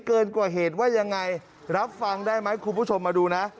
เกินกว่าเหตุว่ายังไงรับฟังได้ไหมคุณผู้ชมมาดูนะ